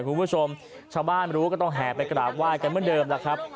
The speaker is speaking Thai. คุณผู้ชมชาวบ้านรู้ก็ต้องแห่ไปกราบไห้กันเหมือนเดิมแล้วครับ